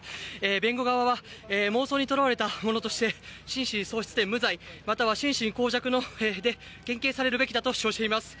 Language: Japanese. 弁護側は妄想にとらわれたものとして心神喪失で無罪または心神耗弱で減刑されるべきだと主張しています。